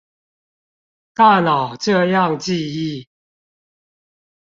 大腦這樣記憶